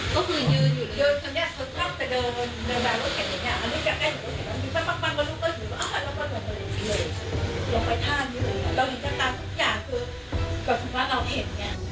ก็คือเราเห็นไง